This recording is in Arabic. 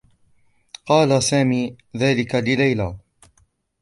قال سامي ذلك لليلى.